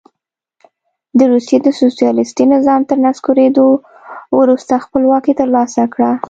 د روسیې د سوسیالیستي نظام تر نسکورېدو وروسته خپلواکي ترلاسه کړه.